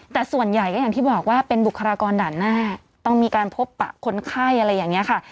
แต่ส่วนใหญ่ก็อย่างที่บอกว่าเป็นบุคลากรด่านหน้าต้องมีการพบปะคนไข้อะไรอย่างนี้ค่ะ